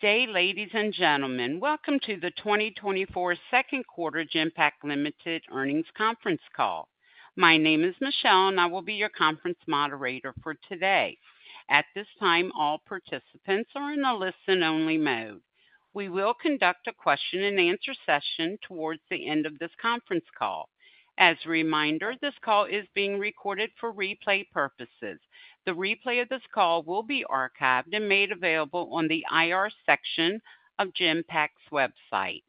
Good day, ladies and gentlemen. Welcome to the 2024 second quarter Genpact Limited earnings conference call. My name is Michelle, and I will be your conference moderator for today. At this time, all participants are in a listen-only mode. We will conduct a question-and-answer session towards the end of this conference call. As a reminder, this call is being recorded for replay purposes. The replay of this call will be archived and made available on the IR section of Genpact's website.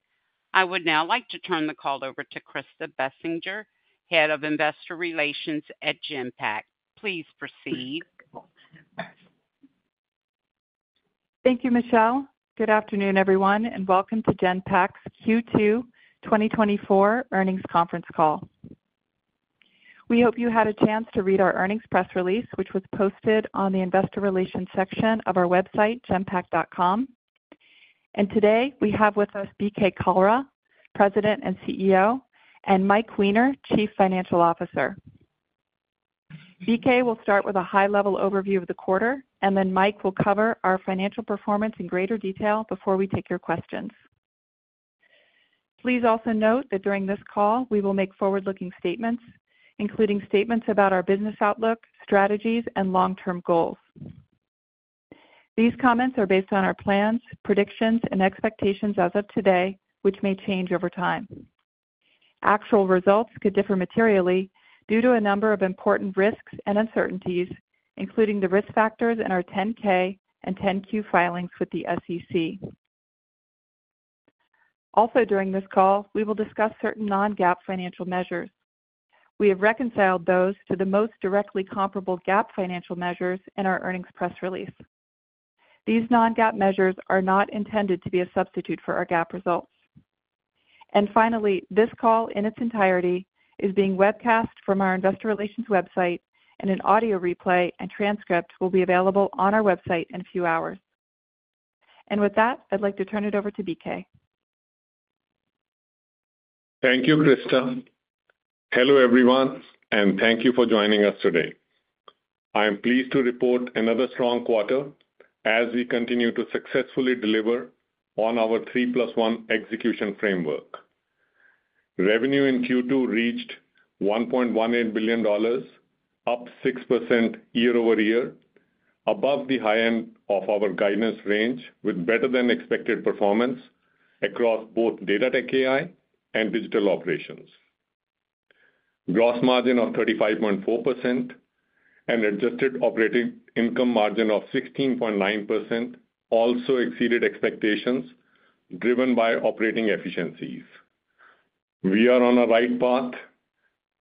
I would now like to turn the call over to Krista Bessinger, Head of Investor Relations at Genpact. Please proceed. Thank you, Michelle. Good afternoon, everyone, and welcome to Genpact's Q2 2024 earnings conference call. We hope you had a chance to read our earnings press release, which was posted on the investor relations section of our website, genpact.com. Today, we have with us BK Kalra, President and CEO, and Mike Weiner, Chief Financial Officer. BK will start with a high-level overview of the quarter, and then Mike will cover our financial performance in greater detail before we take your questions. Please also note that during this call, we will make forward-looking statements, including statements about our business outlook, strategies, and long-term goals. These comments are based on our plans, predictions, and expectations as of today, which may change over time. Actual results could differ materially due to a number of important risks and uncertainties, including the risk factors in our 10-K and 10-Q filings with the SEC. Also, during this call, we will discuss certain non-GAAP financial measures. We have reconciled those to the most directly comparable GAAP financial measures in our earnings press release. These non-GAAP measures are not intended to be a substitute for our GAAP results. And finally, this call, in its entirety, is being webcast from our investor relations website, and an audio replay and transcript will be available on our website in a few hours. With that, I'd like to turn it over to BK. Thank you, Krista. Hello, everyone, and thank you for joining us today. I am pleased to report another strong quarter as we continue to successfully deliver on our three-plus-one execution framework. Revenue in Q2 reached $1.18 billion, up 6% year-over-year, above the high end of our guidance range, with better-than-expected performance across both Data-Tech-AI and Digital Operations. Gross margin of 35.4% and adjusted operating income margin of 16.9% also exceeded expectations, driven by operating efficiencies. We are on the right path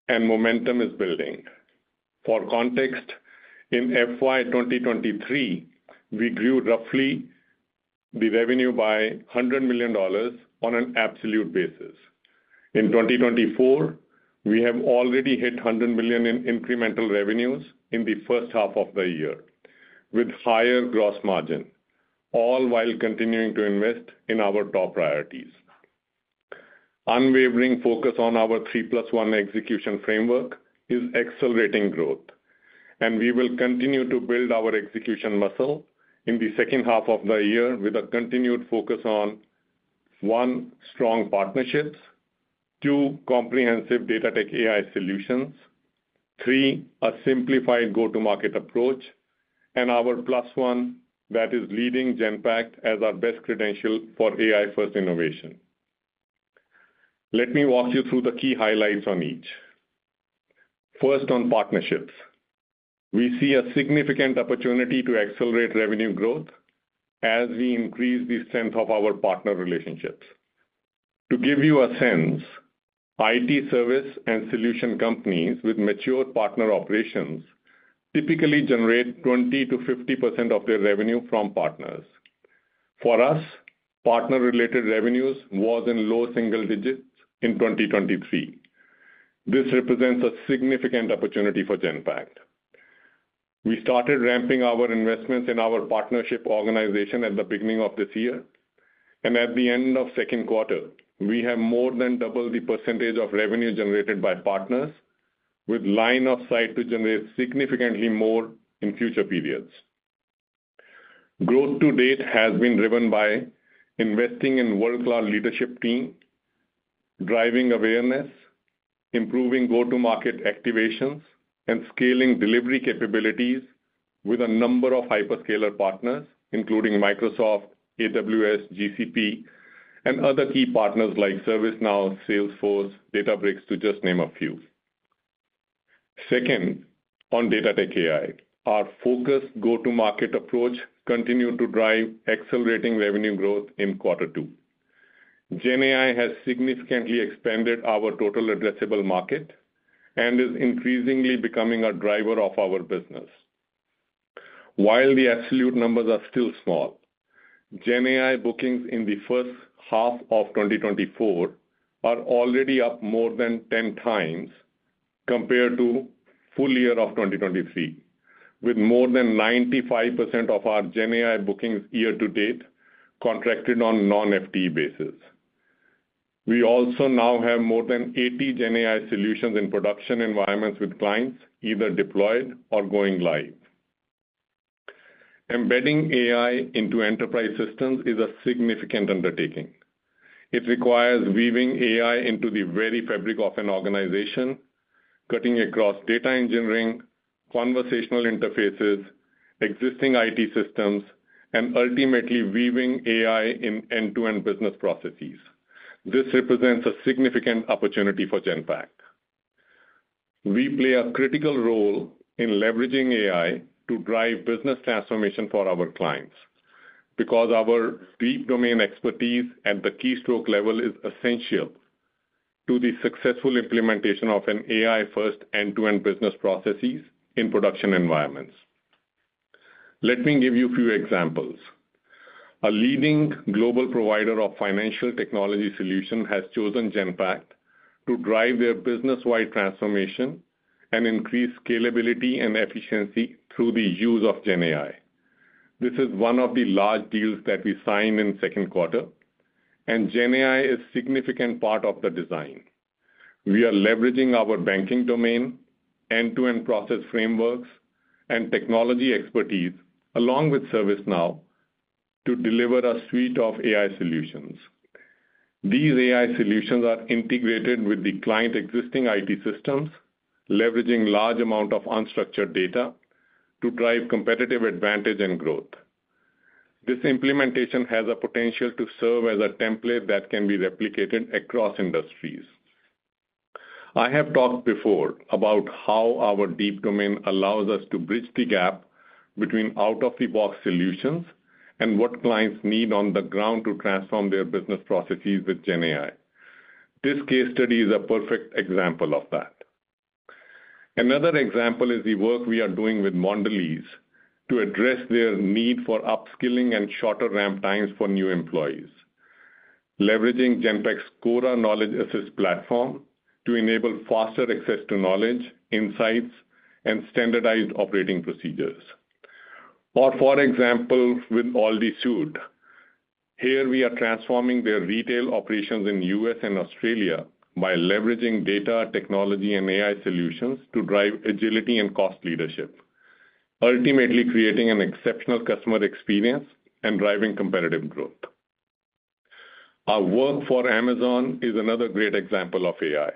and momentum is building. For context, in FY 2023, we grew roughly the revenue by $100 million on an absolute basis. In 2024, we have already hit $100 million in incremental revenues in the first half of the year, with higher gross margin, all while continuing to invest in our top priorities. Unwavering focus on our three-plus-one execution framework is accelerating growth, and we will continue to build our execution muscle in the second half of the year with a continued focus on, one, strong partnerships, two, comprehensive Data-Tech-AI solutions, three, a simplified go-to-market approach, and our plus one, that is leading Genpact as our best credential for AI-first innovation. Let me walk you through the key highlights on each. First, on partnerships. We see a significant opportunity to accelerate revenue growth as we increase the strength of our partner relationships. To give you a sense, IT service and solution companies with mature partner operations typically generate 20%-50% of their revenue from partners. For us, partner-related revenues was in low single digits in 2023. This represents a significant opportunity for Genpact. We started ramping our investments in our partnership organization at the beginning of this year, and at the end of second quarter, we have more than doubled the percentage of revenue generated by partners, with line of sight to generate significantly more in future periods. Growth to date has been driven by investing in world-class leadership team, driving awareness, improving go-to-market activations, and scaling delivery capabilities with a number of hyperscaler partners, including Microsoft, AWS, GCP, and other key partners like ServiceNow, Salesforce, Databricks, to just name a few. Second, on Data-Tech-AI, our focused go-to-market approach continued to drive accelerating revenue growth in quarter two. GenAI has significantly expanded our total addressable market and is increasingly becoming a driver of our business. While the absolute numbers are still small, GenAI bookings in the first half of 2024 are already up more than 10 times compared to full year of 2023, with more than 95% of our GenAI bookings year to date contracted on non-FTE basis. We also now have more than 80 GenAI solutions in production environments with clients, either deployed or going live. Embedding AI into enterprise systems is a significant undertaking. It requires weaving AI into the very fabric of an organization, cutting across data engineering, conversational interfaces, existing IT systems, and ultimately weaving AI in end-to-end business processes. This represents a significant opportunity for Genpact. We play a critical role in leveraging AI to drive business transformation for our clients, because our deep domain expertise at the keystroke level is essential to the successful implementation of an AI-first, end-to-end business processes in production environments. Let me give you a few examples. A leading global provider of financial technology solution has chosen Genpact to drive their business-wide transformation and increase scalability and efficiency through the use of GenAI. This is one of the large deals that we signed in second quarter, and GenAI is a significant part of the design. We are leveraging our banking domain, end-to-end process frameworks, and technology expertise, along with ServiceNow, to deliver a suite of AI solutions. These AI solutions are integrated with the client's existing IT systems, leveraging a large amount of unstructured data to drive competitive advantage and growth. This implementation has a potential to serve as a template that can be replicated across industries. I have talked before about how our deep domain allows us to bridge the gap between out-of-the-box solutions and what clients need on the ground to transform their business processes with GenAI. This case study is a perfect example of that. Another example is the work we are doing with Mondelēz to address their need for upskilling and shorter ramp times for new employees, leveraging Genpact's Cora Knowledge Assist Platform to enable faster access to knowledge, insights, and standardized operating procedures. Or, for example, with ALDI SÜD. Here, we are transforming their retail operations in U.S. and Australia by leveraging data, technology, and AI solutions to drive agility and cost leadership, ultimately creating an exceptional customer experience and driving competitive growth. Our work for Amazon is another great example of AI.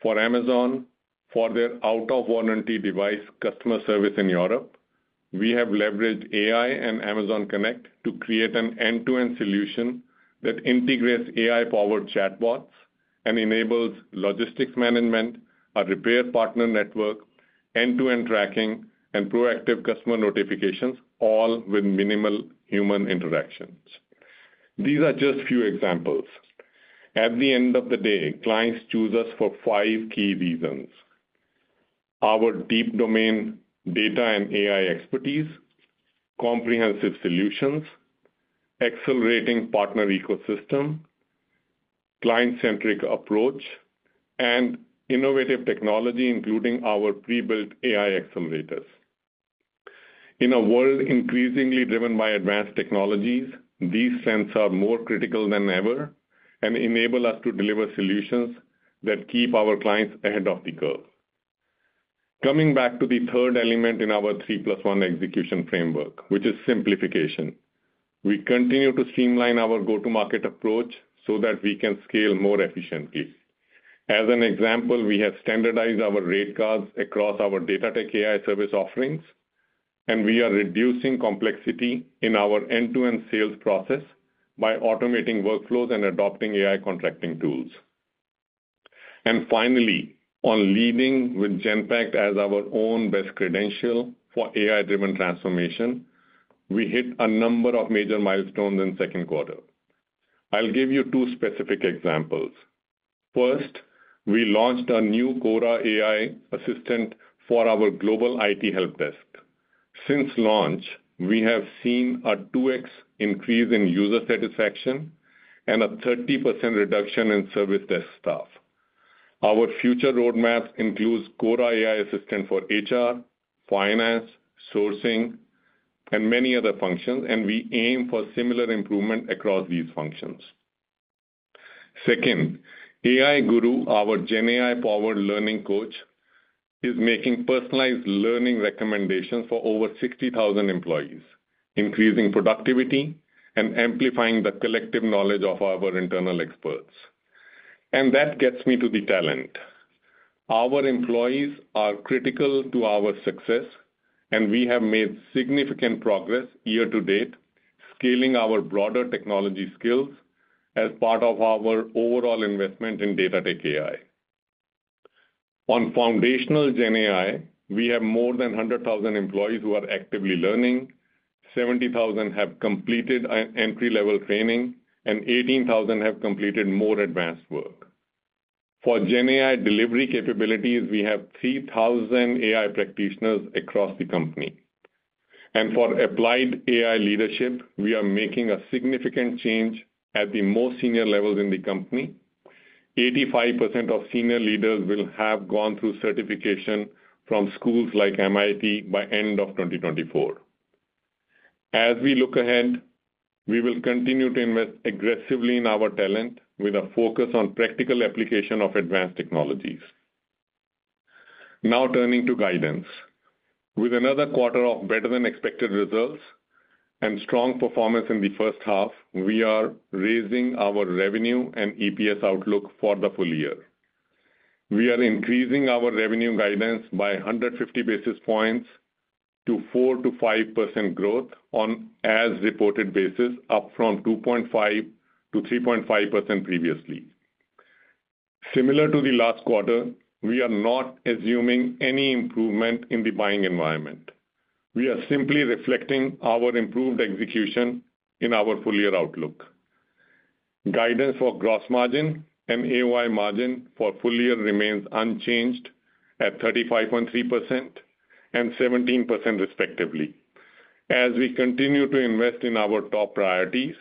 For Amazon, for their out-of-warranty device customer service in Europe, we have leveraged AI and Amazon Connect to create an end-to-end solution that integrates AI-powered chatbots and enables logistics management, a repair partner network, end-to-end tracking, and proactive customer notifications, all with minimal human interactions. These are just few examples. At the end of the day, clients choose us for five key reasons: our deep domain data and AI expertise, comprehensive solutions, accelerating partner ecosystem, client-centric approach, and innovative technology, including our pre-built AI accelerators. In a world increasingly driven by advanced technologies, these strengths are more critical than ever and enable us to deliver solutions that keep our clients ahead of the curve. Coming back to the third element in our three-plus-one execution framework, which is simplification. We continue to streamline our go-to-market approach so that we can scale more efficiently. As an example, we have standardized our rate cards across our Data-Tech-AI service offerings, and we are reducing complexity in our end-to-end sales process by automating workflows and adopting AI contracting tools. Finally, on leading with Genpact as our own best credential for AI-driven transformation, we hit a number of major milestones in second quarter. I'll give you 2 specific examples. First, we launched a new Cora AI assistant for our global IT help desk. Since launch, we have seen a 2x increase in user satisfaction and a 30% reduction in service desk staff. Our future roadmap includes Cora AI assistant for HR, finance, sourcing, and many other functions, and we aim for similar improvement across these functions. Second, AI Guru, our GenAI-powered learning coach, is making personalized learning recommendations for over 60,000 employees, increasing productivity and amplifying the collective knowledge of our internal experts. And that gets me to the talent. Our employees are critical to our success, and we have made significant progress year to date, scaling our broader technology skills as part of our overall investment in Data-Tech-AI. On foundational GenAI, we have more than 100,000 employees who are actively learning, 70,000 have completed an entry-level training, and 18,000 have completed more advanced work. For GenAI delivery capabilities, we have 3,000 AI practitioners across the company. And for applied AI leadership, we are making a significant change at the most senior levels in the company. 85% of senior leaders will have gone through certification from schools like MIT by end of 2024. As we look ahead, we will continue to invest aggressively in our talent with a focus on practical application of advanced technologies. Now turning to guidance. With another quarter of better-than-expected results and strong performance in the first half, we are raising our revenue and EPS outlook for the full year. We are increasing our revenue guidance by 150 basis points to 4%-5% growth on as-reported basis, up from 2.5%-3.5% previously. Similar to the last quarter, we are not assuming any improvement in the buying environment. We are simply reflecting our improved execution in our full year outlook. Guidance for gross margin and AOI margin for full year remains unchanged at 35.3% and 17%, respectively, as we continue to invest in our top priorities,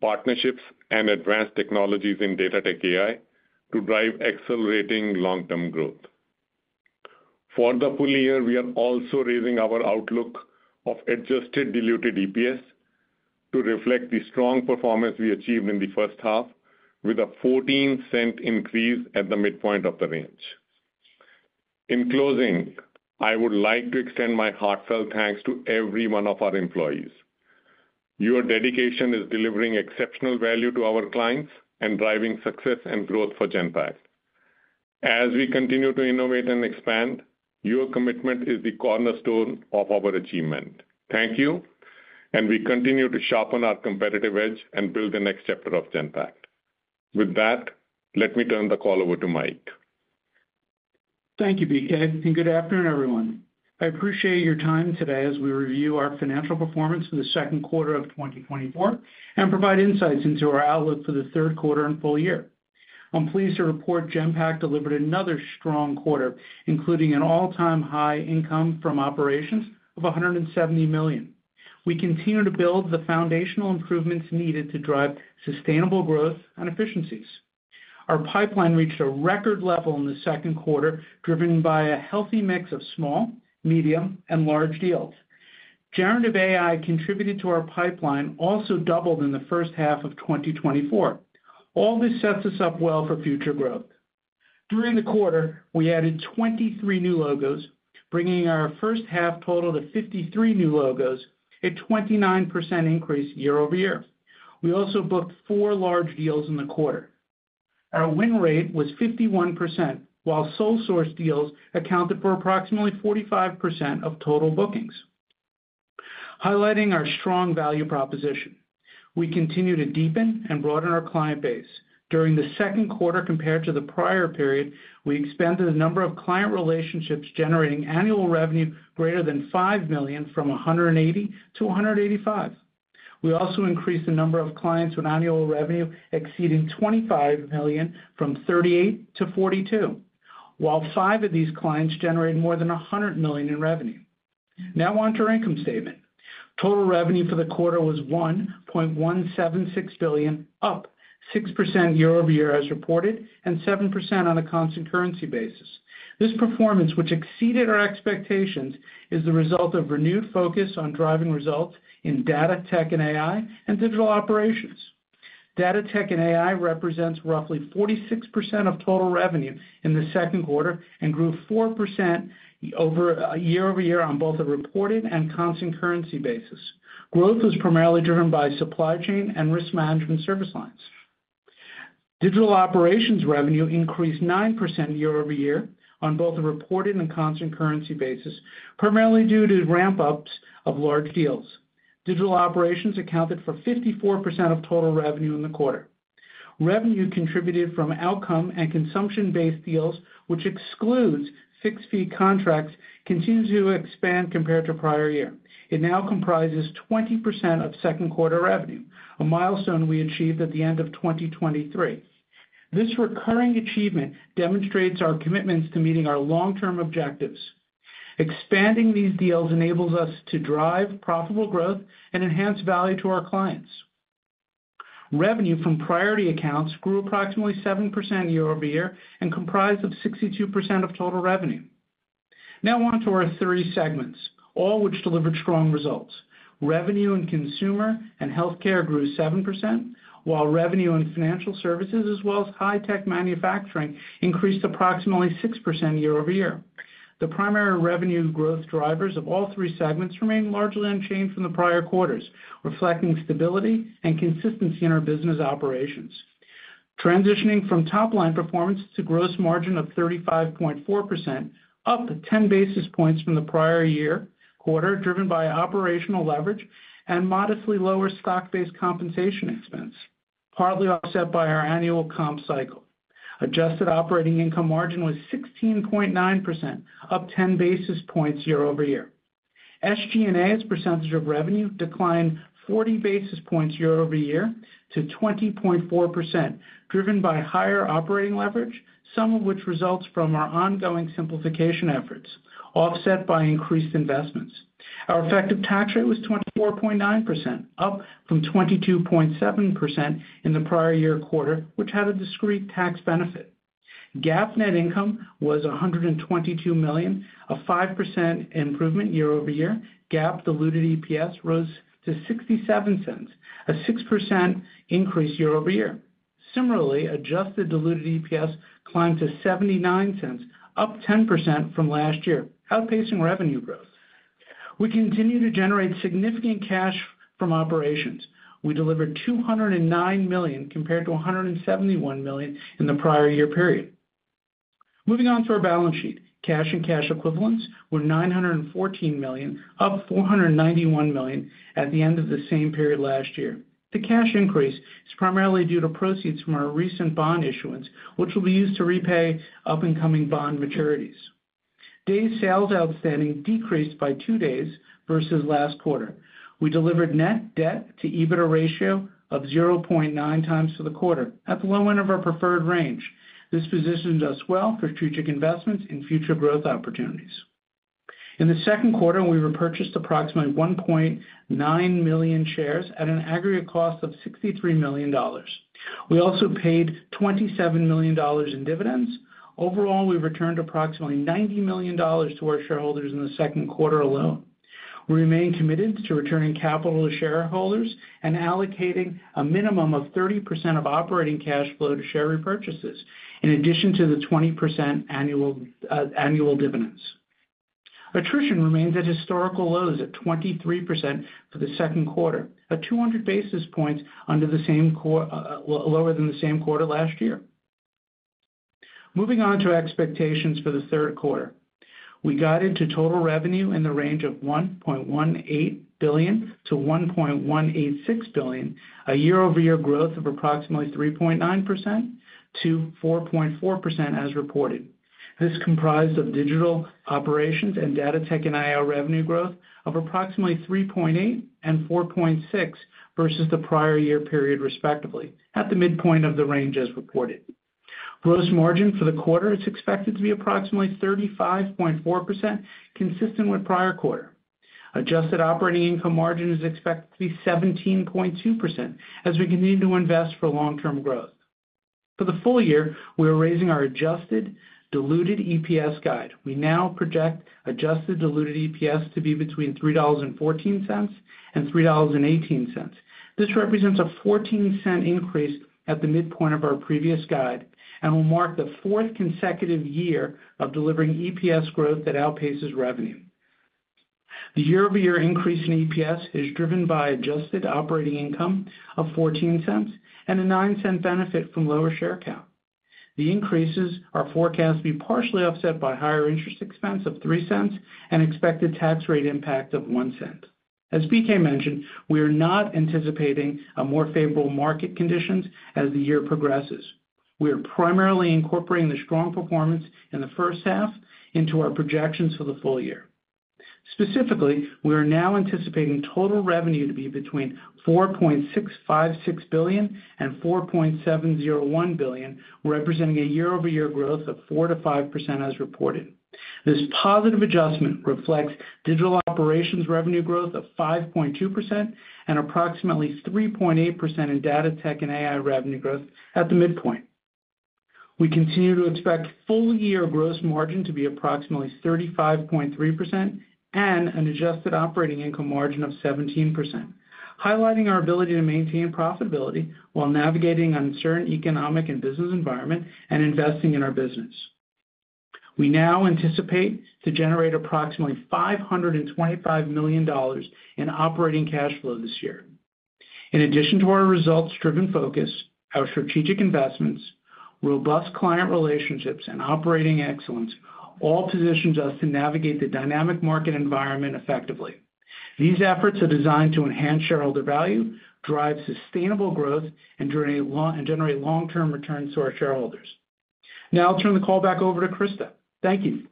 partnerships, and advanced technologies in Data-Tech-AI to drive accelerating long-term growth. For the full year, we are also raising our outlook of adjusted diluted EPS to reflect the strong performance we achieved in the first half, with a $0.14 increase at the midpoint of the range. In closing, I would like to extend my heartfelt thanks to every one of our employees. Your dedication is delivering exceptional value to our clients and driving success and growth for Genpact. As we continue to innovate and expand, your commitment is the cornerstone of our achievement. Thank you, and we continue to sharpen our competitive edge and build the next chapter of Genpact. With that, let me turn the call over to Mike. Thank you, BK, and good afternoon, everyone. I appreciate your time today as we review our financial performance in the second quarter of 2024, and provide insights into our outlook for the third quarter and full year. I'm pleased to report Genpact delivered another strong quarter, including an all-time high income from operations of $170 million. We continue to build the foundational improvements needed to drive sustainable growth and efficiencies. Our pipeline reached a record level in the second quarter, driven by a healthy mix of small, medium, and large deals. Generative AI contributed to our pipeline, also doubled in the first half of 2024. All this sets us up well for future growth. During the quarter, we added 23 new logos, bringing our first half total to 53 new logos, a 29% increase year-over-year. We also booked 4 large deals in the quarter. Our win rate was 51%, while sole source deals accounted for approximately 45% of total bookings, highlighting our strong value proposition. We continue to deepen and broaden our client base. During the second quarter compared to the prior period, we expanded the number of client relationships, generating annual revenue greater than $5 million, from 180 to 185. We also increased the number of clients with annual revenue exceeding $25 million from 38 to 42, while 5 of these clients generated more than $100 million in revenue. Now, on to our income statement. Total revenue for the quarter was $1.176 billion, up 6% year-over-year as reported, and 7% on a constant currency basis. This performance, which exceeded our expectations, is the result of renewed focus on driving results in data, tech and AI, and digital operations. Data, tech, and AI represents roughly 46% of total revenue in the second quarter and grew 4% year-over-year on both a reported and constant currency basis. Growth was primarily driven by supply chain and risk management service lines. Digital operations revenue increased 9% year-over-year on both a reported and constant currency basis, primarily due to ramp-ups of large deals. Digital operations accounted for 54% of total revenue in the quarter. Revenue contributed from outcome and consumption-based deals, which excludes fixed-fee contracts, continues to expand compared to prior year. It now comprises 20% of second quarter revenue, a milestone we achieved at the end of 2023. This recurring achievement demonstrates our commitments to meeting our long-term objectives. Expanding these deals enables us to drive profitable growth and enhance value to our clients. Revenue from priority accounts grew approximately 7% year-over-year and comprised of 62% of total revenue. Now on to our three segments, all which delivered strong results. Revenue in consumer and healthcare grew 7%, while revenue in financial services, as well as high-tech manufacturing, increased approximately 6% year-over-year. The primary revenue growth drivers of all three segments remained largely unchanged from the prior quarters, reflecting stability and consistency in our business operations. Transitioning from top-line performance to gross margin of 35.4%, up 10 basis points from the prior-year quarter, driven by operational leverage and modestly lower stock-based compensation expense, partly offset by our annual comp cycle. Adjusted operating income margin was 16.9%, up 10 basis points year-over-year. SG&A, as a percentage of revenue, declined 40 basis points year-over-year to 20.4%, driven by higher operating leverage, some of which results from our ongoing simplification efforts, offset by increased investments. Our effective tax rate was 24.9%, up from 22.7% in the prior year quarter, which had a discrete tax benefit. GAAP net income was $122 million, a 5% improvement year-over-year. GAAP diluted EPS rose to $0.67, a 6% increase year-over-year. Similarly, adjusted diluted EPS climbed to $0.79, up 10% from last year, outpacing revenue growth. We continue to generate significant cash from operations. We delivered $209 million compared to $171 million in the prior year period. Moving on to our balance sheet. Cash and cash equivalents were $914 million, up $491 million at the end of the same period last year. The cash increase is primarily due to proceeds from our recent bond issuance, which will be used to repay upcoming bond maturities. Days sales outstanding decreased by 2 days versus last quarter. We delivered net debt to EBITDA ratio of 0.9x for the quarter, at the low end of our preferred range. This positions us well for strategic investments and future growth opportunities. In the second quarter, we repurchased approximately 1.9 million shares at an aggregate cost of $63 million. We also paid $27 million in dividends. Overall, we returned approximately $90 million to our shareholders in the second quarter alone. We remain committed to returning capital to shareholders and allocating a minimum of 30% of operating cash flow to share repurchases, in addition to the 20% annual dividends. Attrition remains at historical lows at 23% for the second quarter, at 200 basis points under the same quarter last year. Moving on to our expectations for the third quarter. We guided to total revenue in the range of $1.18 billion-$1.186 billion, a year-over-year growth of approximately 3.9%-4.4% as reported. This is comprised of Digital Operations and Data-Tech-AI revenue growth of approximately 3.8% and 4.6% versus the prior year period, respectively, at the midpoint of the range as reported. Gross margin for the quarter is expected to be approximately 35.4%, consistent with prior quarter. Adjusted operating income margin is expected to be 17.2%, as we continue to invest for long-term growth. For the full year, we are raising our adjusted diluted EPS guide. We now project adjusted diluted EPS to be between $3.14 and $3.18. This represents a 14-cent increase at the midpoint of our previous guide and will mark the fourth consecutive year of delivering EPS growth that outpaces revenue. The year-over-year increase in EPS is driven by adjusted operating income of 14 cents and a 9-cent benefit from lower share count. The increases are forecast to be partially offset by higher interest expense of 3 cents and expected tax rate impact of 1 cent. As BK mentioned, we are not anticipating a more favorable market conditions as the year progresses. We are primarily incorporating the strong performance in the first half into our projections for the full year. Specifically, we are now anticipating total revenue to be between $4.656 billion and $4.701 billion, representing a year-over-year growth of 4%-5% as reported. This positive adjustment reflects digital operations revenue growth of 5.2% and approximately 3.8% in data tech and AI revenue growth at the midpoint. We continue to expect full-year gross margin to be approximately 35.3% and an adjusted operating income margin of 17%, highlighting our ability to maintain profitability while navigating uncertain economic and business environment and investing in our business. We now anticipate to generate approximately $525 million in operating cash flow this year. In addition to our results-driven focus, our strategic investments, robust client relationships, and operating excellence all positions us to navigate the dynamic market environment effectively. These efforts are designed to enhance shareholder value, drive sustainable growth, and generate long-term returns to our shareholders. Now I'll turn the call back over to Krista. Thank you.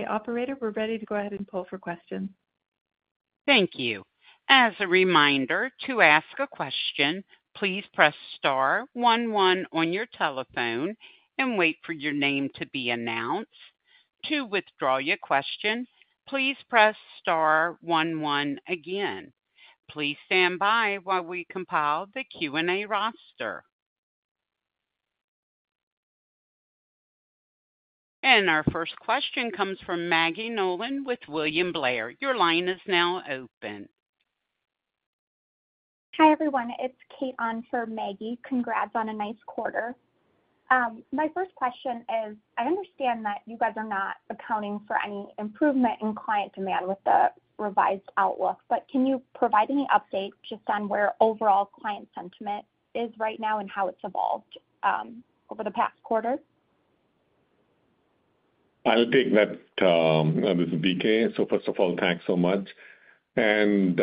Hi, operator. We're ready to go ahead and poll for questions. Thank you. As a reminder, to ask a question, please press star one one on your telephone and wait for your name to be announced. To withdraw your question, please press star one one again. Please stand by while we compile the Q&A roster. Our first question comes from Maggie Nolan with William Blair. Your line is now open. Hi, everyone. It's Kate on for Maggie. Congrats on a nice quarter. My first question is: I understand that you guys are not accounting for any improvement in client demand with the revised outlook, but can you provide any updates just on where overall client sentiment is right now and how it's evolved over the past quarter? I'll take that, this is BK. So first of all, thanks so much. And,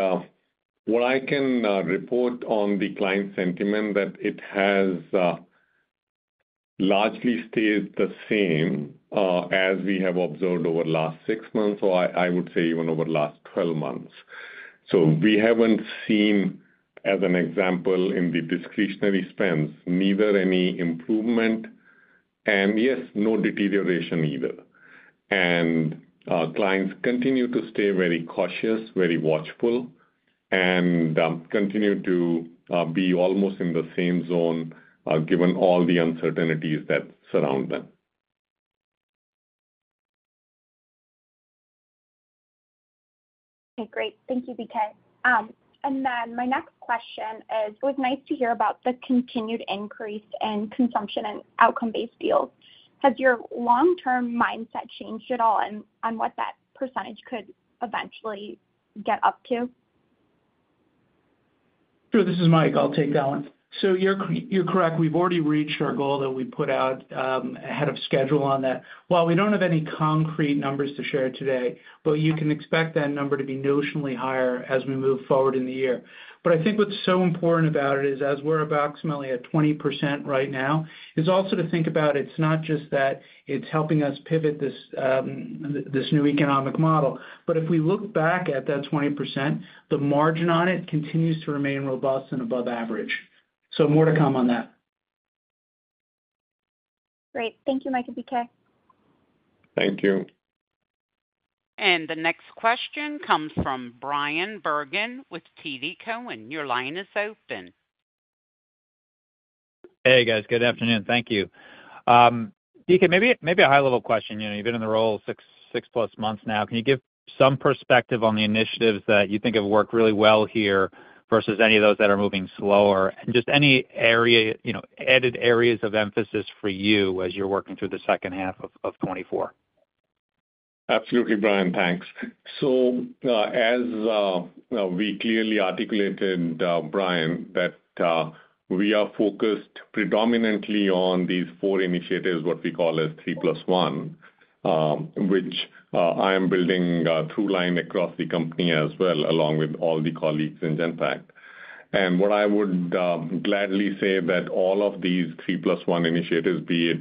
what I can report on the client sentiment, that it has largely stayed the same, as we have observed over the last 6 months, or I, I would say even over the last 12 months. So we haven't seen-... as an example, in the discretionary spends, neither any improvement, and yes, no deterioration either. Clients continue to stay very cautious, very watchful, and continue to be almost in the same zone, given all the uncertainties that surround them. Okay, great. Thank you, BK. And then my next question is, it was nice to hear about the continued increase in consumption and outcome-based deals. Has your long-term mindset changed at all on, on what that percentage could eventually get up to? Sure. This is Mike. I'll take that one. So you're, you're correct, we've already reached our goal that we put out ahead of schedule on that. While we don't have any concrete numbers to share today, but you can expect that number to be notionally higher as we move forward in the year. But I think what's so important about it is, as we're approximately at 20% right now, is also to think about it's not just that it's helping us pivot this new economic model. But if we look back at that 20%, the margin on it continues to remain robust and above average. So more to come on that. Great. Thank you, Mike and BK. Thank you. The next question comes from Bryan Bergin with TD Cowen. Your line is open. Hey, guys. Good afternoon. Thank you. BK, maybe a high-level question. You know, you've been in the role 6, 6+ months now. Can you give some perspective on the initiatives that you think have worked really well here versus any of those that are moving slower? Just any area, you know, added areas of emphasis for you as you're working through the second half of 2024. Absolutely, Bryan. Thanks. So, as we clearly articulated, Brian, that we are focused predominantly on these four initiatives, what we call as three-plus-one, which I am building a through line across the company as well, along with all the colleagues in Genpact. And what I would gladly say that all of these three-plus-one initiatives, be it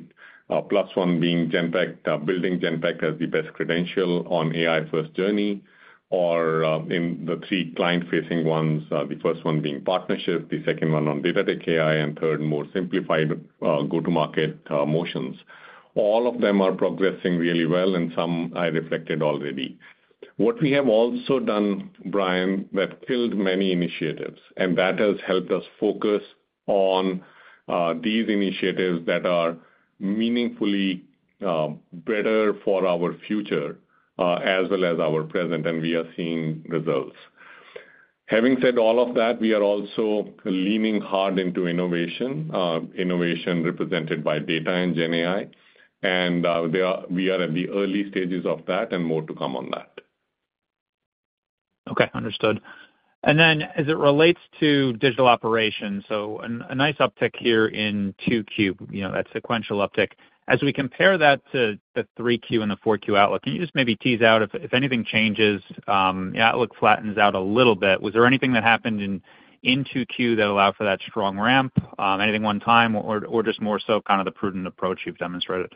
plus one being Genpact, building Genpact as the best credential on AI first journey, or in the three client-facing ones, the first one being partnership, the second one on Data-Tech-AI, and third, more simplified go-to-market motions. All of them are progressing really well, and some I reflected already. What we have also done, Bryan, we've killed many initiatives, and that has helped us focus on these initiatives that are meaningfully better for our future as well as our present, and we are seeing results. Having said all of that, we are also leaning hard into innovation represented by data and GenAI, and we are at the early stages of that, and more to come on that. Okay, understood. And then as it relates to Digital Operations, so a nice uptick here in 2Q, you know, that sequential uptick. As we compare that to the 3Q and the 4Q outlook, can you just maybe tease out if anything changes, the outlook flattens out a little bit? Was there anything that happened in 2Q that allowed for that strong ramp, anything one time, or just more so kind of the prudent approach you've demonstrated?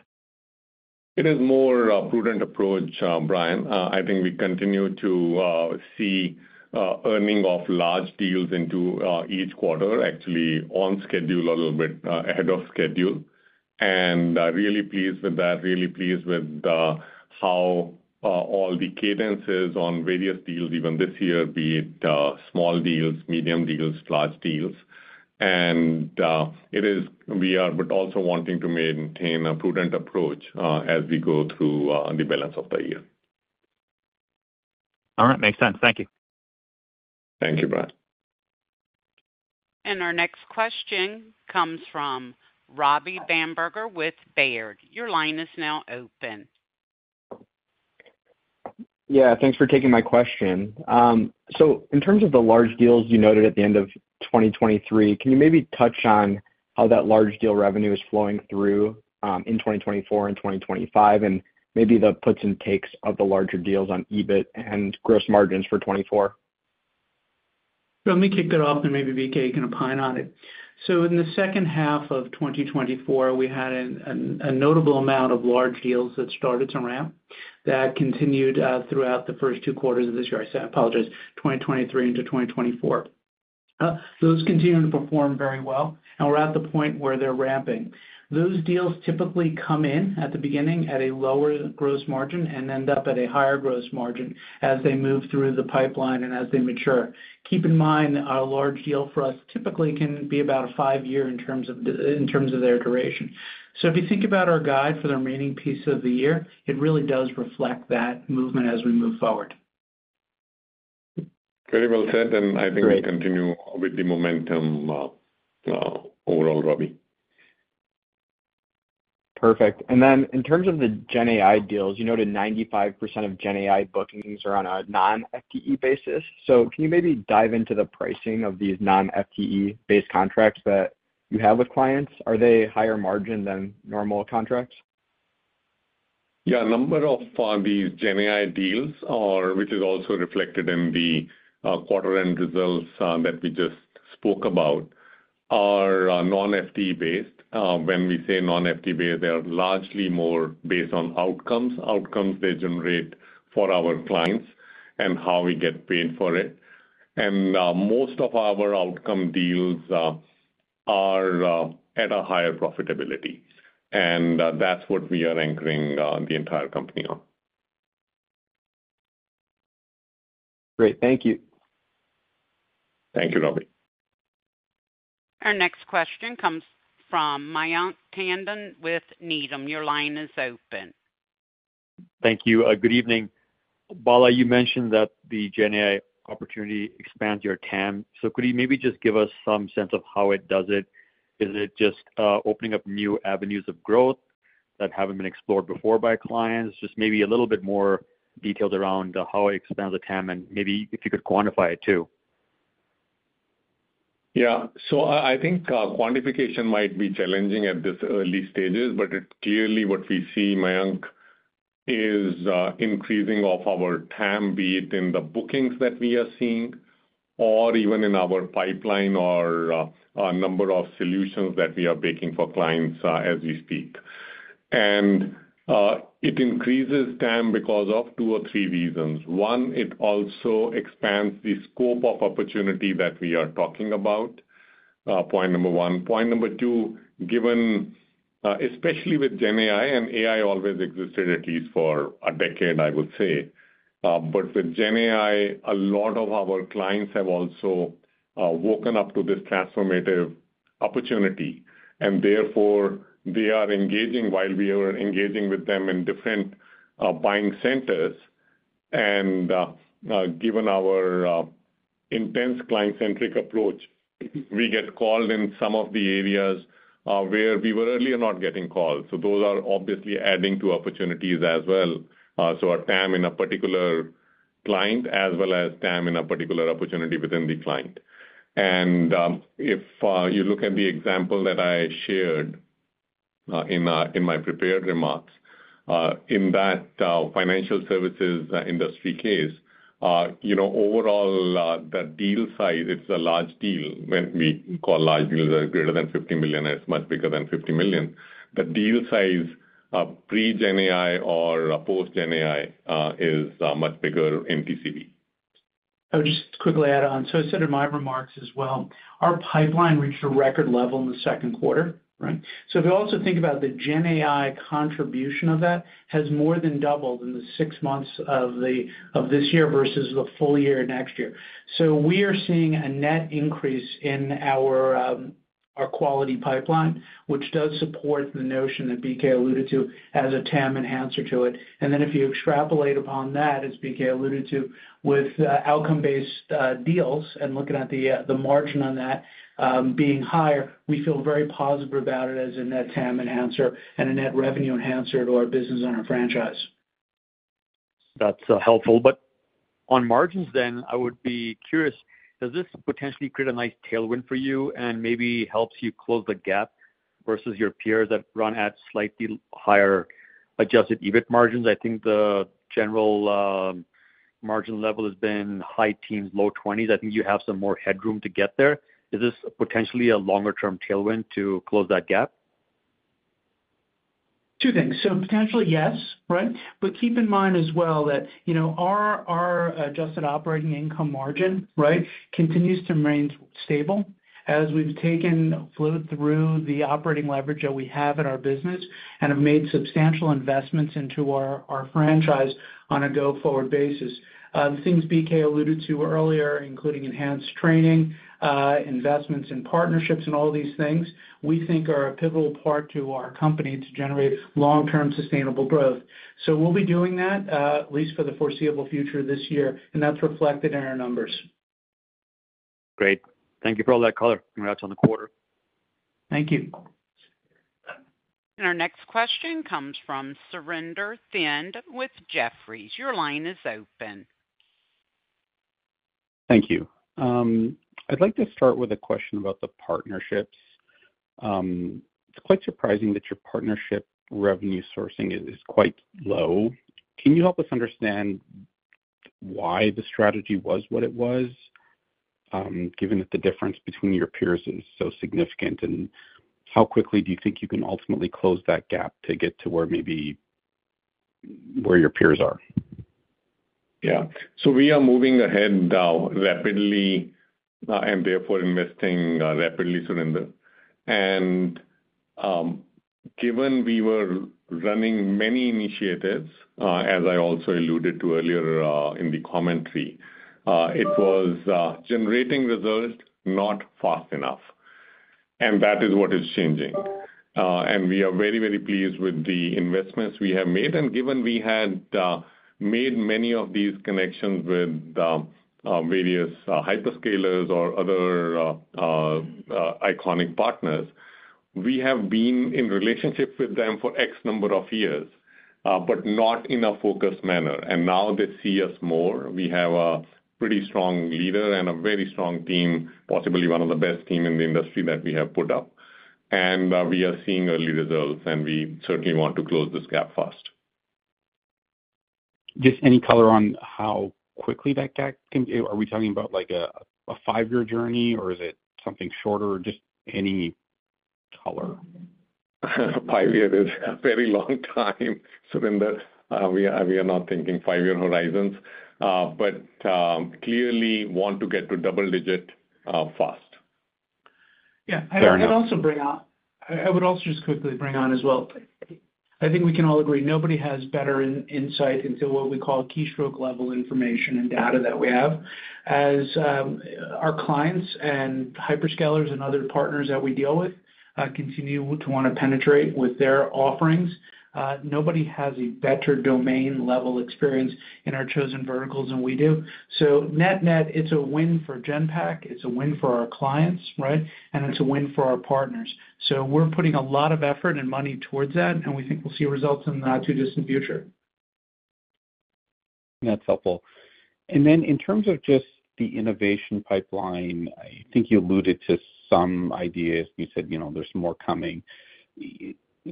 It is more a prudent approach, Bryan. I think we continue to see earning of large deals into each quarter, actually on schedule, a little bit ahead of schedule. And really pleased with that, really pleased with how all the cadences on various deals, even this year, be it small deals, medium deals, large deals. And it is—we are, but also wanting to maintain a prudent approach as we go through the balance of the year. All right. Makes sense. Thank you. Thank you, Bryan. Our next question comes from Robbie Bamberger with Baird. Your line is now open. Yeah, thanks for taking my question. So in terms of the large deals you noted at the end of 2023, can you maybe touch on how that large deal revenue is flowing through, in 2024 and 2025, and maybe the puts and takes of the larger deals on EBIT and gross margins for 2024? Let me kick it off, and maybe BK, you can opine on it. So in the second half of 2024, we had a notable amount of large deals that started to ramp, that continued throughout the first two quarters of this year. I say... I apologize, 2023 into 2024. Those continue to perform very well, and we're at the point where they're ramping. Those deals typically come in at the beginning at a lower gross margin and end up at a higher gross margin as they move through the pipeline and as they mature. Keep in mind, a large deal for us typically can be about a 5-year in terms of the- in terms of their duration. So if you think about our guide for the remaining piece of the year, it really does reflect that movement as we move forward. Very well said, and I think we'll continue with the momentum, overall, Robbie. Perfect. Then in terms of the GenAI deals, you noted 95% of GenAI bookings are on a non-FTE basis. Can you maybe dive into the pricing of these non-FTE-based contracts that you have with clients? Are they higher margin than normal contracts? Yeah, a number of these GenAI deals are, which is also reflected in the quarter-end results that we just spoke about, are non-FT based. When we say non-FT based, they are largely more based on outcomes, outcomes they generate for our clients and how we get paid for it. And most of our outcome deals are at a higher profitability, and that's what we are anchoring the entire company on. Great. Thank you. Thank you, Robbie. Our next question comes from Mayank Tandon with Needham. Your line is open. Thank you. Good evening. BK, you mentioned that the GenAI opportunity expands your TAM. So could you maybe just give us some sense of how it does it? Is it just opening up new avenues of growth that haven't been explored before by clients? Just maybe a little bit more details around how it expands the TAM, and maybe if you could quantify it, too. Yeah. So I think quantification might be challenging at this early stages, but it clearly what we see, Mayank, is increasing of our TAM, be it in the bookings that we are seeing or even in our pipeline or our number of solutions that we are building for clients, as we speak. And it increases TAM because of two or three reasons. One, it also expands the scope of opportunity that we are talking about, point number one. Point number two, given especially with GenAI and AI always existed, at least for a decade, I would say. But with GenAI, a lot of our clients have also woken up to this transformative opportunity, and therefore, they are engaging while we are engaging with them in different buying centers. Given our intense client-centric approach, we get called in some of the areas where we were earlier not getting called. So those are obviously adding to opportunities as well. So our TAM in a particular client, as well as TAM in a particular opportunity within the client. And, if you look at the example that I shared in my prepared remarks, in that financial services industry case, you know, overall, the deal size, it's a large deal. When we call large deals are greater than $50 million, it's much bigger than $50 million. The deal size, pre-GenAI or post-GenAI, is much bigger in TCV. I'll just quickly add on. So I said in my remarks as well, our pipeline reached a record level in the second quarter, right? So if you also think about the GenAI contribution of that, has more than doubled in the six months of this year versus the full year next year. So we are seeing a net increase in our our quality pipeline, which does support the notion that BK alluded to, as a TAM enhancer to it. And then if you extrapolate upon that, as BK alluded to, with outcome-based deals and looking at the the margin on that, being higher, we feel very positive about it as a net TAM enhancer and a net revenue enhancer to our business owner franchise. That's helpful. But on margins then, I would be curious, does this potentially create a nice tailwind for you and maybe helps you close the gap versus your peers that run at slightly higher adjusted EBIT margins? I think the general margin level has been high teens, low twenties. I think you have some more headroom to get there. Is this potentially a longer-term tailwind to close that gap? Two things. So potentially, yes, right? But keep in mind as well that, you know, our, our adjusted operating income margin, right, continues to remain stable as we've taken fluid through the operating leverage that we have in our business and have made substantial investments into our, our franchise on a go-forward basis. The things BK alluded to earlier, including enhanced training, investments in partnerships and all these things, we think are a pivotal part to our company to generate long-term sustainable growth. So we'll be doing that, at least for the foreseeable future this year, and that's reflected in our numbers. Great. Thank you for all that color. Congrats on the quarter. Thank you. Our next question comes from Surinder Thind with Jefferies. Your line is open. Thank you. I'd like to start with a question about the partnerships. It's quite surprising that your partnership revenue sourcing is quite low. Can you help us understand why the strategy was what it was, given that the difference between your peers is so significant? And how quickly do you think you can ultimately close that gap to get to where maybe your peers are? Yeah. So we are moving ahead now rapidly, and therefore investing rapidly, Surinder. Given we were running many initiatives, as I also alluded to earlier, in the commentary, it was generating results not fast enough, and that is what is changing. We are very, very pleased with the investments we have made. And given we had made many of these connections with various hyperscalers or other iconic partners, we have been in relationship with them for X number of years, but not in a focused manner. And now they see us more. We have a pretty strong leader and a very strong team, possibly one of the best team in the industry that we have put up. And we are seeing early results, and we certainly want to close this gap fast.... Just any color on how quickly that can, are we talking about like a five-year journey, or is it something shorter? Just any color. 5-year is a very long time, Surinder. We are, we are not thinking 5-year horizons, but clearly want to get to double-digit, fast. Yeah. Fair enough. I would also just quickly bring on as well. I think we can all agree, nobody has better insight into what we call keystroke-level information and data that we have. As our clients and hyperscalers and other partners that we deal with continue to want to penetrate with their offerings, nobody has a better domain-level experience in our chosen verticals than we do. So net-net, it's a win for Genpact, it's a win for our clients, right? And it's a win for our partners. So we're putting a lot of effort and money towards that, and we think we'll see results in the not-too-distant future. That's helpful. And then in terms of just the innovation pipeline, I think you alluded to some ideas. You said, you know, there's more coming.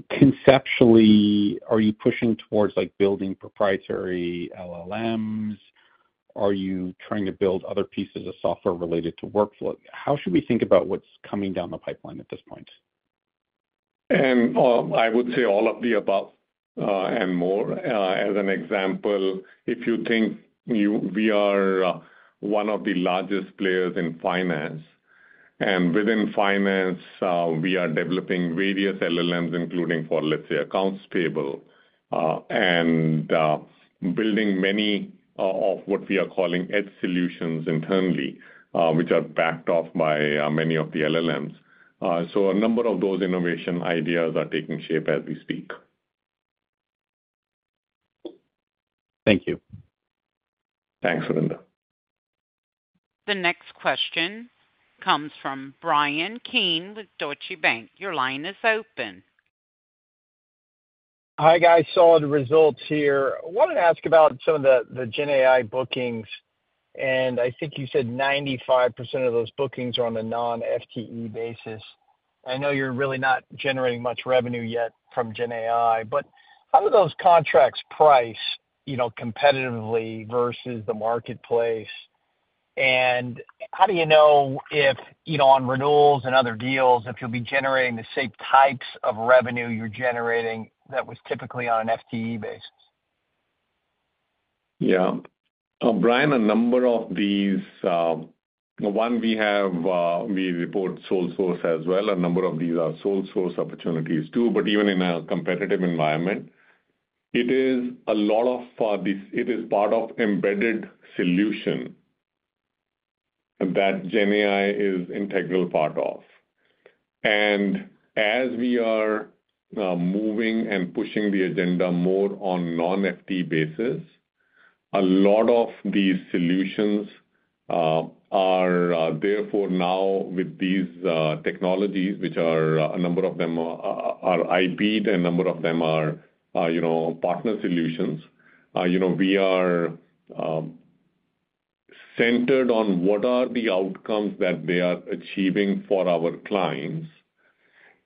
Conceptually, are you pushing towards, like, building proprietary LLMs? Are you trying to build other pieces of software related to workflow? How should we think about what's coming down the pipeline at this point? And I would say all of the above, and more. As an example, if you think we are one of the largest players in finance, and within finance, we are developing various LLMs, including for, let's say, accounts payable, and building many of what we are calling edge solutions internally, which are backed by many of the LLMs. So a number of those innovation ideas are taking shape as we speak. Thank you. Thanks, Surinder. The next question comes from Brian Keane with Deutsche Bank. Your line is open. Hi, guys. Solid results here. I wanted to ask about some of the, the GenAI bookings, and I think you said 95% of those bookings are on a non-FTE basis. I know you're really not generating much revenue yet from GenAI, but how do those contracts price, you know, competitively versus the marketplace? And how do you know if, you know, on renewals and other deals, if you'll be generating the same types of revenue you're generating that was typically on an FTE basis? Yeah. Brian, a number of these, we have, we report sole source as well. A number of these are sole source opportunities, too. But even in a competitive environment, it is part of embedded solution that GenAI is integral part of. And as we are moving and pushing the agenda more on non-FTE basis, a lot of these solutions are therefore now with these technologies, which a number of them are IP'd, and a number of them are, you know, partner solutions. You know, we are centered on what are the outcomes that they are achieving for our clients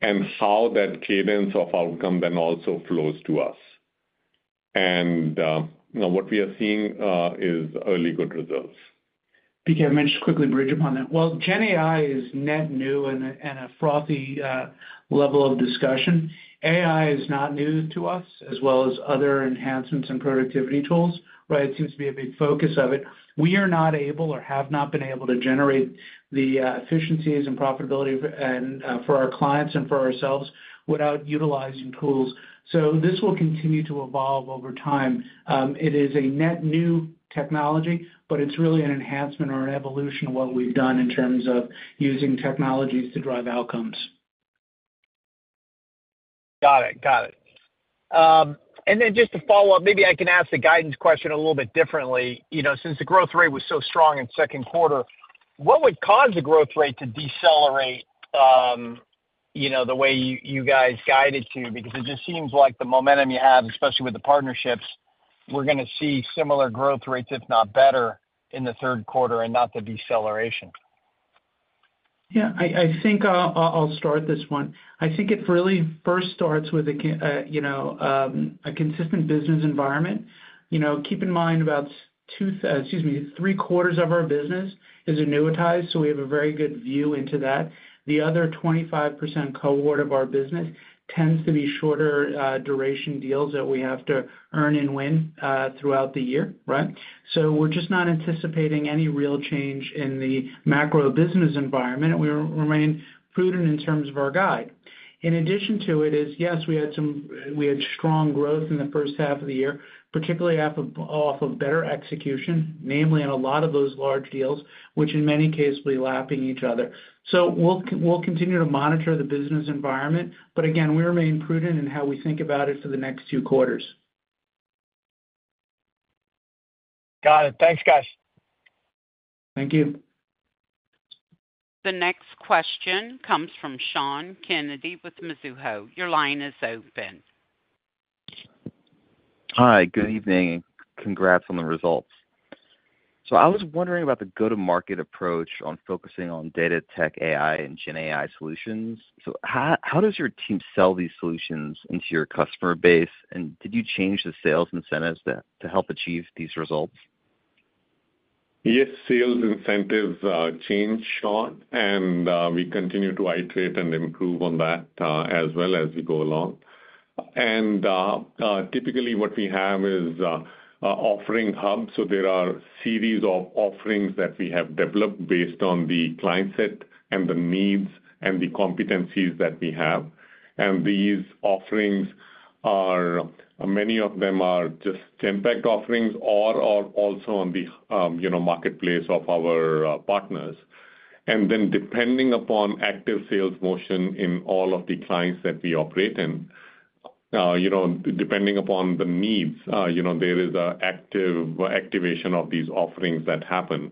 and how that cadence of outcome then also flows to us. And, you know, what we are seeing is early good results. BK, I may just quickly bridge upon that. While GenAI is net new and a frothy level of discussion, AI is not new to us, as well as other enhancements and productivity tools, right? It seems to be a big focus of it. We are not able or have not been able to generate the efficiencies and profitability and for our clients and for ourselves without utilizing tools. So this will continue to evolve over time. It is a net new technology, but it's really an enhancement or an evolution of what we've done in terms of using technologies to drive outcomes. Got it. Got it. And then just to follow up, maybe I can ask the guidance question a little bit differently. You know, since the growth rate was so strong in second quarter, what would cause the growth rate to decelerate, you know, the way you, you guys guided to? Because it just seems like the momentum you have, especially with the partnerships, we're gonna see similar growth rates, if not better, in the third quarter and not the deceleration. Yeah. I think I'll start this one. I think it really first starts with a consistent business environment. You know, keep in mind, three-quarters of our business is annuitized, so we have a very good view into that. The other 25% cohort of our business tends to be shorter duration deals that we have to earn and win throughout the year, right? So we're just not anticipating any real change in the macro business environment, and we remain prudent in terms of our guide. In addition to it is, yes, we had strong growth in the first half of the year, particularly off of better execution, namely on a lot of those large deals, which in many cases will be lapping each other. We'll continue to monitor the business environment, but again, we remain prudent in how we think about it for the next two quarters. Got it. Thanks, guys. Thank you. The next question comes from Sean Kennedy with Mizuho. Your line is open. Hi, good evening, and congrats on the results.... I was wondering about the go-to-market approach on focusing on data tech, AI, and GenAI solutions. So how does your team sell these solutions into your customer base? And did you change the sales incentives to help achieve these results? Yes, sales incentives changed, Sean, and we continue to iterate and improve on that as well as we go along. And typically, what we have is a offering hub. So there are series of offerings that we have developed based on the client set and the needs and the competencies that we have. And these offerings are, many of them are just Genpact offerings or are also on the, you know, marketplace of our partners. And then depending upon active sales motion in all of the clients that we operate in, you know, depending upon the needs, you know, there is a active activation of these offerings that happen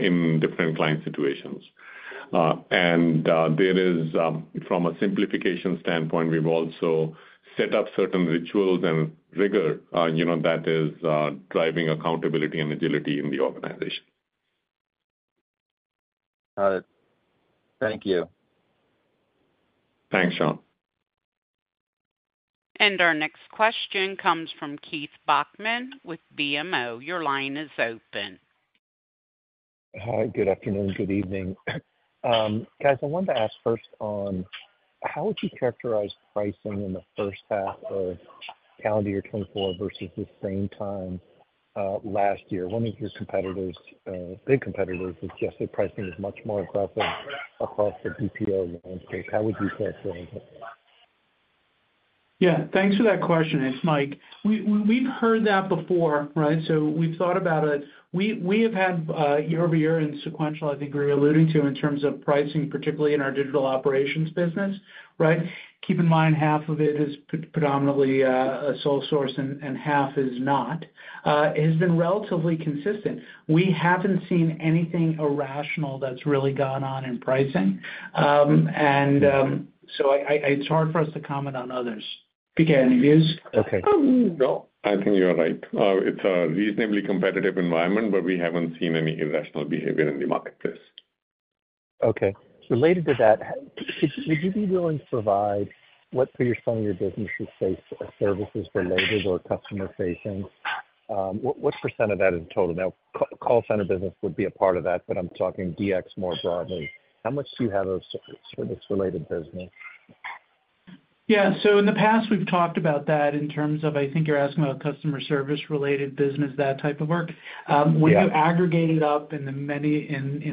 in different client situations. And there is, from a simplification standpoint, we've also set up certain rituals and rigor, you know, that is driving accountability and agility in the organization. Got it. Thank you. Thanks, Sean. Our next question comes from Keith Bachman with BMO. Your line is open. Hi, good afternoon, good evening. Guys, I wanted to ask first on, how would you characterize pricing in the first half of calendar year 2024 versus the same time, last year? One of your competitors, big competitors, suggested pricing is much more aggressive across the BPO landscape. How would you characterize it? Yeah, thanks for that question. It's Mike. We've heard that before, right? So we've thought about it. We have had year-over-year and sequential, I think we're alluding to in terms of pricing, particularly in our digital operations business, right? Keep in mind, half of it is predominantly a sole source and half is not. It has been relatively consistent. We haven't seen anything irrational that's really gone on in pricing. And so I... It's hard for us to comment on others. BK, any views? Okay. No, I think you're right. It's a reasonably competitive environment, but we haven't seen any irrational behavior in the marketplace. Okay. Related to that, would you be willing to provide what % of your business is, say, services related or customer facing? What % of that is total? Now, call center business would be a part of that, but I'm talking DX more broadly. How much do you have of service-related business? Yeah. So in the past, we've talked about that in terms of, I think you're asking about customer service-related business, that type of work. Yeah. When you aggregate it up in the many,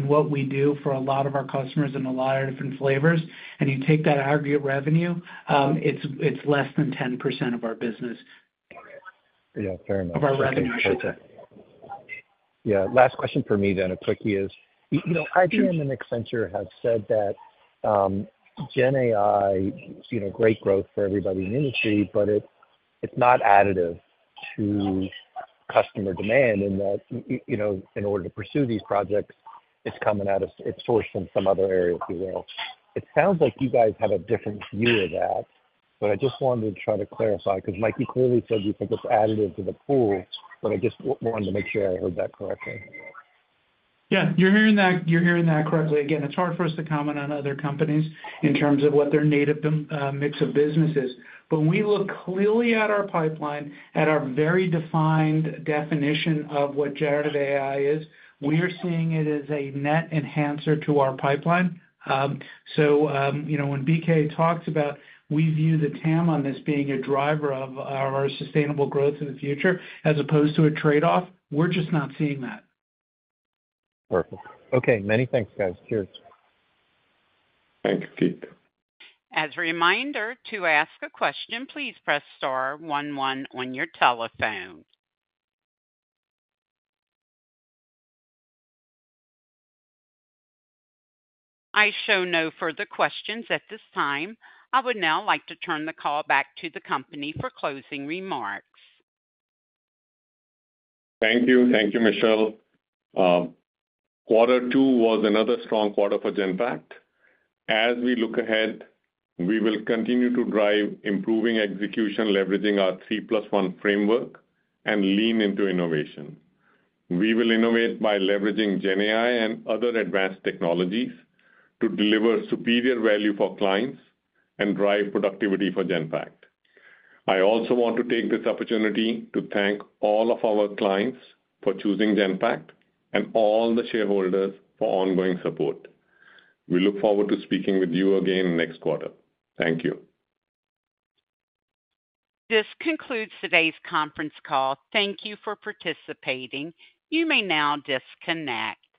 what we do for a lot of our customers and a lot of different flavors, and you take that aggregate revenue, it's less than 10% of our business. Yeah, fair enough. Of our revenue, I should say. Yeah. Last question for me then, a quickie, is, you know, IBM and Accenture have said that, GenAI, you know, great growth for everybody in the industry, but it, it's not additive to customer demand in that, you know, in order to pursue these projects, it's coming out of... It's sourced from some other area, if you will. It sounds like you guys have a different view of that, but I just wanted to try to clarify, because, Mike, you clearly said you think it's additive to the pool, but I just wanted to make sure I heard that correctly. Yeah, you're hearing that, you're hearing that correctly. Again, it's hard for us to comment on other companies in terms of what their native mix of business is. But we look clearly at our pipeline, at our very defined definition of what generative AI is. We are seeing it as a net enhancer to our pipeline. You know, when BK talks about we view the TAM on this being a driver of our sustainable growth in the future as opposed to a trade-off, we're just not seeing that. Perfect. Okay, many thanks, guys. Cheers. Thanks, Keith. As a reminder, to ask a question, please press star one one on your telephone. I show no further questions at this time. I would now like to turn the call back to the company for closing remarks. Thank you. Thank you, Michelle. Quarter two was another strong quarter for Genpact. As we look ahead, we will continue to drive improving execution, leveraging our Three-plus-one framework and lean into innovation. We will innovate by leveraging GenAI and other advanced technologies to deliver superior value for clients and drive productivity for Genpact. I also want to take this opportunity to thank all of our clients for choosing Genpact and all the shareholders for ongoing support. We look forward to speaking with you again next quarter. Thank you. This concludes today's conference call. Thank you for participating. You may now disconnect.